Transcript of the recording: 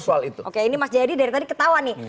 soal itu oke ini mas jayadi dari tadi ketawa nih